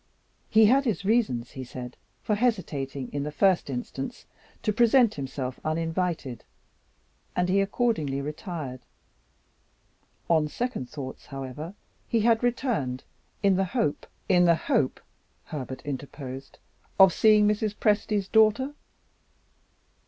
He had his reasons (he said) for hesitating, in the first instance, to present himself uninvited, and he accordingly retired. On second thoughts, however, he had returned, in the hope "In the hope," Herbert interposed, "of seeing Mrs. Presty's daughter?"